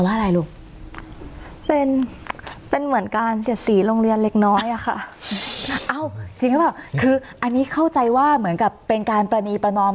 อันนี้เข้าใจว่าเหมือนเป็นการปรณีประนอม